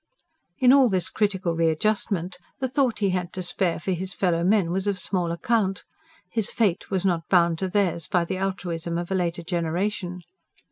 In all this critical readjustment, the thought he had to spare for his fellow men was of small account: his fate was not bound to theirs by the altruism of a later generation.